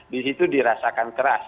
di situ dirasakan keras